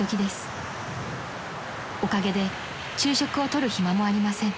［おかげで昼食をとる暇もありません］